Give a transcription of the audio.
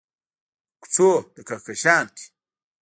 په کوڅو د کهکشان کې